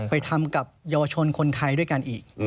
ไปทำกับเยาวชนคนไทยด้วยกันอีก